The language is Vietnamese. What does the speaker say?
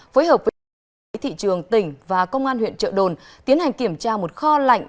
phối hợp với thị trường tỉnh và công an huyện trợ đồn tiến hành kiểm tra một kho lạnh